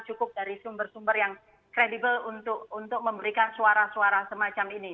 cukup dari sumber sumber yang kredibel untuk memberikan suara suara semacam ini